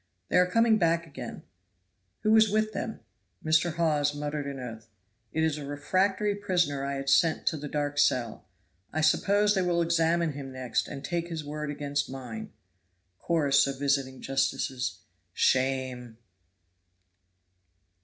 "They are coming back again." "Who is this with them?" Mr. Hawes muttered an oath. "It is a refractory prisoner I had sent to the dark cell. I suppose they will examine him next, and take his word against mine." (Chorus of Visiting Justices.) "Shame!"